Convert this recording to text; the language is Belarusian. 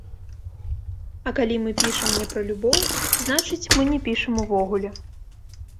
А калі мы пішам не пра любоў, значыць, мы не пішам увогуле.